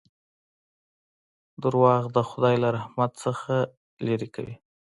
• دروغ د خدای له رحمت نه لرې کوي.